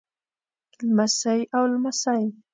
لمسۍ او لمسى